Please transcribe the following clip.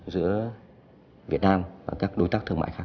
giữa việt nam và các đối tác thương mại khác